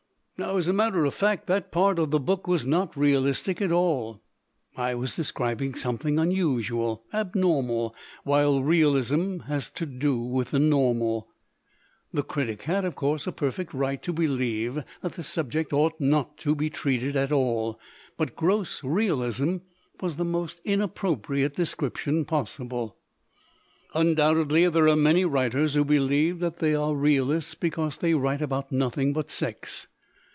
"Now, as a matter of fact, that part of the book was not realistic at all. I was describing something unusual, abnormal, while realism has to do with the normal. The critic had, of course, a perfect right to believe that the subject ought 132 COMMERCIALIZING not to be treated at all, but 'gross realism' was the most inappropriate description possible. " Undoubtedly there are many writers who be lieve that they are realists because they write about nothing but sex.